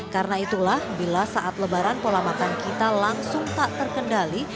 karena itulah bila saat lebaran pola makan kita langsung tak terkendali